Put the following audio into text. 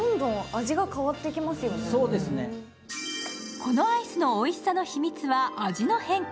このアイスのおいしさの秘密は、味の変化。